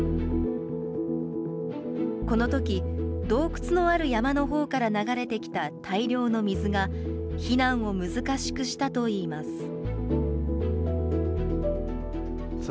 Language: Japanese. このとき、洞窟のある山のほうから流れてきた大量の水が、避難を難しくしたといいます。